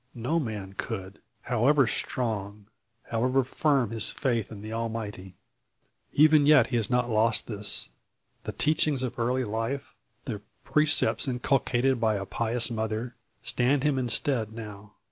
No man could, however strong, however firm his faith in the Almighty. Even yet he has not lost this. The teachings of early life, the precepts inculcated by a pious mother, stand him in stead now.